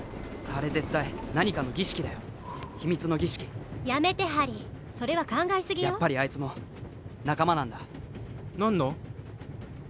あれ絶対何かの儀式だよ秘密の儀式やめてハリーそれは考えすぎよやっぱりあいつも仲間なんだ何の？